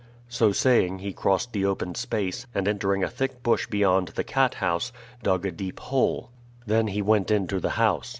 So saying he crossed the open space, and entering a thick bush beyond the cat house, dug a deep hole; then he went into the house.